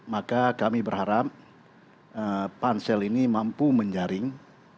maka kami berharap pansel ini mampu menjaring